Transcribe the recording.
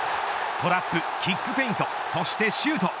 トラップ、キックフェイントそしてシュート。